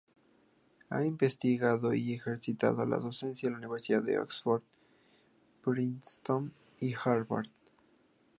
Ha investigado y ejercido la docencia en las universidades de Oxford, Princeton y Harvard.